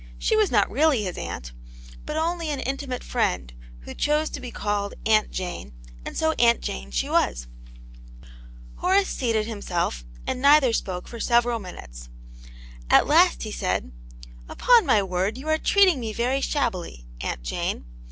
She was not reaWy Vv\s ;x.wtv\.>\i>\\. <^x^'i ^^ 2 Atmt Janets Hero. intimate friend, who chose to be called " Aunt Jane," and so Aunt Jane she was. Horace seated himself, and neither spoke for several minutes. At last he said :" Upon my word, you are treating me very shab bily, Aunt Jane.